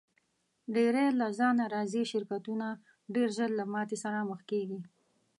ډېری له ځانه راضي شرکتونه ډېر ژر له ماتې سره مخ کیږي.